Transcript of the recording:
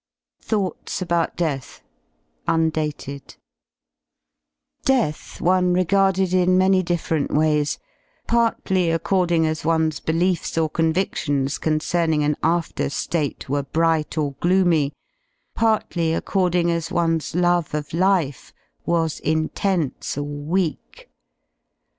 THOUGHTS ABOUT DEATH ^ Undated, p Death one regarded in many different ways, partly accord I ing as one's beliefs or convidlions concerning an after ^te were bright or gloomy, partly accoiding as one's love of life was intense or weak.